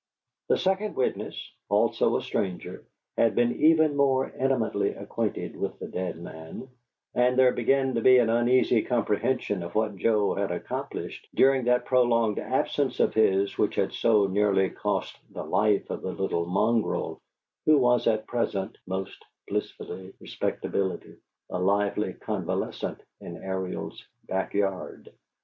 The second witness, also a stranger, had been even more intimately acquainted with the dead man, and there began to be an uneasy comprehension of what Joe had accomplished during that prolonged absence of his which had so nearly cost the life of the little mongrel, who was at present (most blissful Respectability!) a lively convalescent in Ariel's back yard.